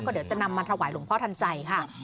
เดี๋ยวจะนำมาถวายหลวงพ่อทันใจค่ะ